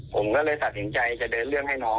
ผมก็เลยตัดสินใจจะเดินเรื่องให้น้อง